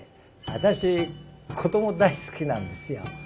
私子ども大好きなんですよ。